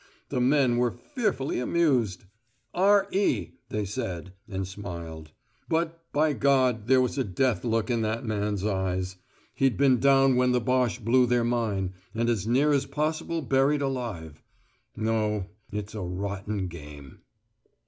The men were fearfully amused. 'R.E.,' they said, and smiled. But, by God, there was a death look in that man's eyes. He'd been down when the Boche blew their mine, and as near as possible buried alive. No, it's a rotten game."